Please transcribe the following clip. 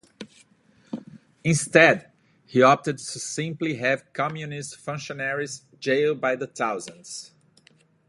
Instead, he opted to simply have Communist functionaries jailed by the thousands.